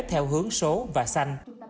theo hướng số và xanh